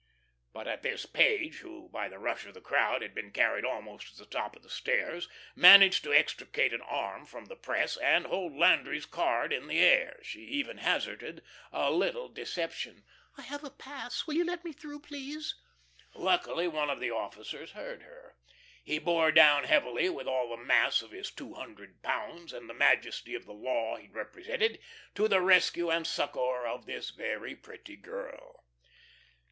But at this Page, who, by the rush of the crowd had been carried almost to the top of the stairs, managed to extricate an arm from the press, and hold Landry's card in the air. She even hazarded a little deception: "I have a pass. Will you let me through, please?" Luckily one of the officers heard her. He bore down heavily with all the mass of his two hundred pounds and the majesty of the law he represented, to the rescue and succour of this very pretty girl.